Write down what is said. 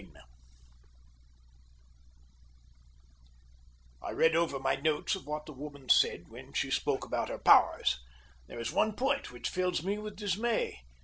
III I read over my notes of what the woman said when she spoke about her powers. There is one point which fills me with dismay.